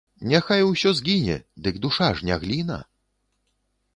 Няхай усё згіне, дык душа ж не гліна?